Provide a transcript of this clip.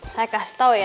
saya kasih tau ya